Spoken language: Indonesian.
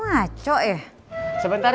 barusan kamu senyum